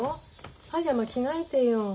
パジャマ着替えてよ。